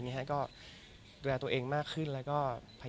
ก็มีไปคุยกับคนที่เป็นคนแต่งเพลงแนวนี้